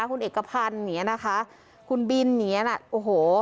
คุณเอกพันธ์อย่างนี้นะคะคุณบินอย่างเงี้น่ะโอ้โห